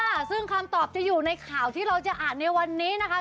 ค่ะซึ่งคำตอบจะอยู่ในข่าวที่เราจะอ่านในวันนี้นะคะ